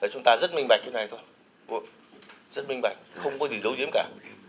chúng ta rất minh bạch như thế này thôi rất minh bạch không có gì dấu hiếm cả